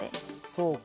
そうか。